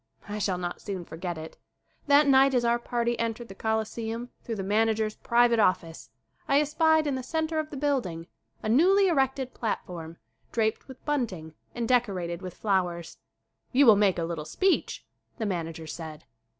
I shall not soon forget it. That night as our party entered the Coliseum through the mana ger's private office I espied in the center of the building a newly erected platform draped with bunting and decorated with flowers. "You will make a little speech," the manager said.